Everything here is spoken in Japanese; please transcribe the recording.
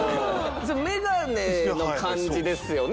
メガネの感じですよね。